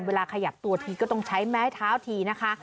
เวลาขยับตัวทีก็ต้องใช้ไม้เท้าทีนะคะ